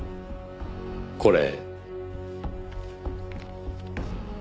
これ。